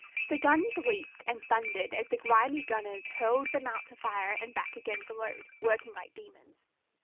The guns leaped and thundered as the grimy gunners hurled them out to fire and back again to load, working like demons.